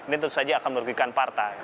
ini tentu saja akan merugikan partai